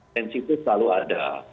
tensi itu selalu ada